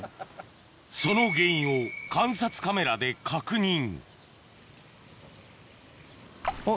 その原因を観察カメラで確認あっ